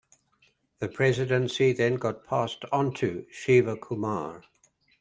The presidency then got passed onto Shiva Kumar.